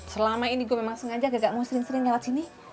selama ini gue memang sengaja agak mau sering sering lewat sini